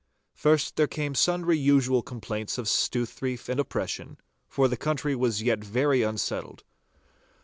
First there came sundry usual complaints of stouthreif and oppression, for the country was yet very unsettled.